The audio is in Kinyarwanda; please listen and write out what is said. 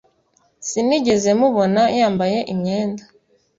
Sinigeze mubona yambaye imyenda